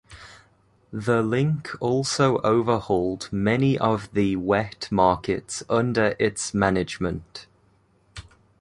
The Link also overhauled many of the wet markets under its management.